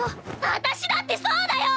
私だってそうだよ！